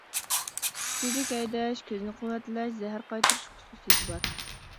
سۈيدۈك ھەيدەش، كۆزنى قۇۋۋەتلەش، زەھەر قايتۇرۇش خۇسۇسىيىتى بار.